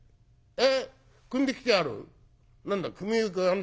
え？